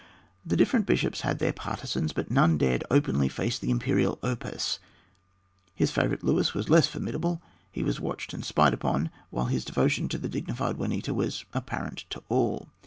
The different bishops had their partisans, but none dared openly face the imperial Oppas. His supposed favorite Luis was less formidable; he was watched and spied upon, while his devotion to the dignified Juanita was apparent to all.